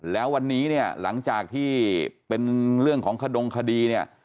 แล้ววันนี้เนี่ยหลังจากที่เป็นเรื่องของขดงคดีเนี่ย